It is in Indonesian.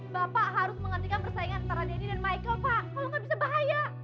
bapak harus menghentikan persaingan antara denny dan michael pak kalau nggak bisa bahaya